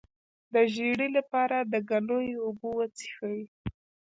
د ژیړي لپاره د ګنیو اوبه وڅښئ